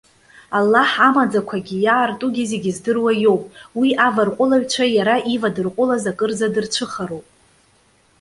Аллаҳ, амаӡақәагьы, иаартугьы зегьы здыруа иоуп. Уи, аварҟәылаҩцәа иара ивадырҟәылаз акырӡа дырцәыхароуп.